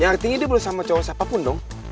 yang artinya dia boleh sama cowok siapapun dong